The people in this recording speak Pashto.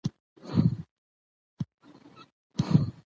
په دې توګه له پوسټ ماډرنيزم سره يوځاى شو